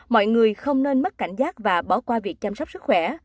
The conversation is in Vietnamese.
mọi người không nên mất cảnh giác và bỏ qua việc chăm sóc sức khỏe